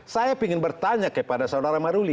saya ingin bertanya kepada saudara maruli